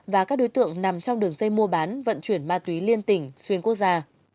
và các đối tượng nằm trong đường dây mua bán vận chuyển ma túy liên tỉnh xuyên quốc gia